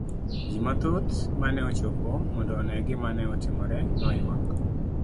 Ji mathoth mane ochopo mondo one gima ne otimore noyuak.